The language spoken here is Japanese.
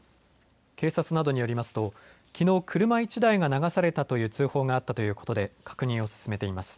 警察などによりますときのう車１台が流されたという通報があったということで確認を進めています。